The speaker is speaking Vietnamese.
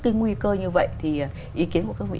cái nguy cơ như vậy thì ý kiến của các vị